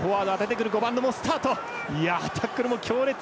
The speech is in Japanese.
タックルも強烈。